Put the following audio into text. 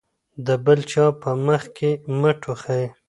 د بل چا په مخ کې مه ټوخئ.